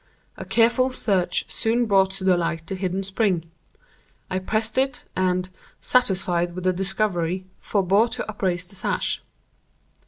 A careful search soon brought to light the hidden spring. I pressed it, and, satisfied with the discovery, forbore to upraise the sash.